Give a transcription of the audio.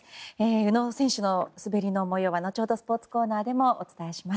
宇野選手の滑りの模様は後ほどスポーツコーナーでお伝えします。